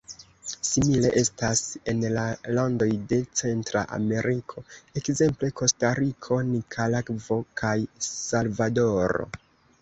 Simile estas en la landoj de Centra Ameriko, ekzemple Kostariko, Nikaragvo kaj Salvadoro.